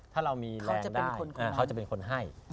ถ้าเรามีแรงได้เขาจะเป็นคนให้